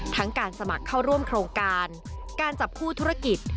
การสมัครเข้าร่วมโครงการการจับคู่ธุรกิจ